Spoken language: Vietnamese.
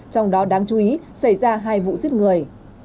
trong đó đáng chú ý xảy ra hai vụ giết người